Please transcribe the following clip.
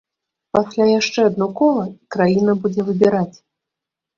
Пасля яшчэ адно кола, і краіна будзе выбіраць.